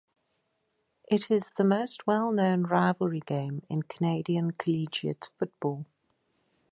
It is the most well known rivalry game in Canadian collegiate football.